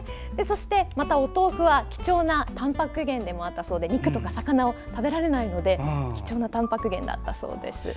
そして、お豆腐は貴重なたんぱく源でもあったそうで肉とか魚を食べられないので貴重なたんぱく源だったそうです。